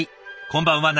こんばんは。